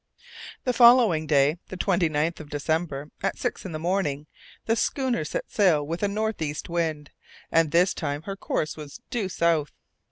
The following day, the 29th of December, at six in the morning, the schooner set sail with a north east wind, and this time her course was due south.